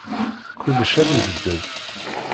Kullec ad ibeddel.